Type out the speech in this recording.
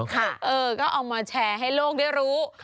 เออก็เอามาแชร์ให้โลกได้รู้